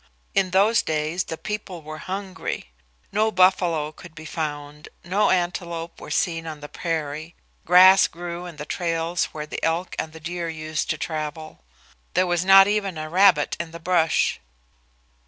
In those days the people were hungry. No buffalo could be found, no antelope were seen on the prairie. Grass grew in the trails where the elk and the deer used to travel. There was not even a rabbit in the brush.